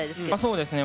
そうですね